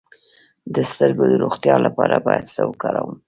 د سترګو د روغتیا لپاره باید څه وکاروم؟